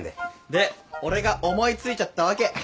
で俺が思いついちゃったわけ。